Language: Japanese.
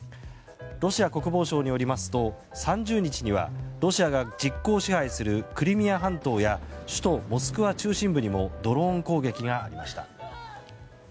ロシア国防省によりますと３０日にはロシアが実効支配するクリミア半島や首都モスクワ中心部にもドローン攻撃がありました。